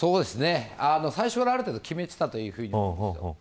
最初からある程度決めていたと思うんです。